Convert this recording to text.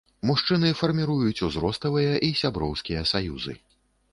Мужчыны фарміруюць узрастовыя і сяброўскія саюзы.